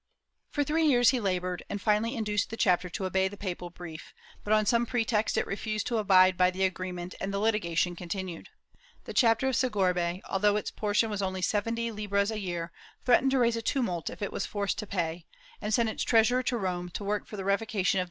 For three years he labored, and finally induced the chapter to obey the papal brief, but on some pretext it refused to abide by the agreement and the litigation continued. The chapter of Segorbe, although its portion was only seventy libras a year, threatened to raise a tumult if it was forced to pay, and sent its treasurer to Rome to work for ^ Dan Vila y CoUado, pp.